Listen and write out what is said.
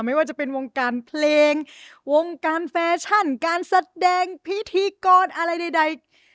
ไม่ว่าจะเป็นวงการเพลงวงการแฟชั่นการแสดงพิธีกรอะไรใด